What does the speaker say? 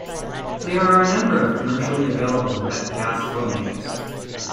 There are a number of commercially available wet gas flow meters.